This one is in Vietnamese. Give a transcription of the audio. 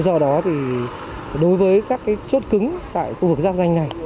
do đó thì đối với các chút cứng tại khu vực dắp danh này